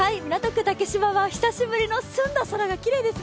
竹芝は久しぶりの澄んだ空が気持ちいいですね。